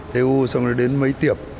t u xong rồi đến máy tiệp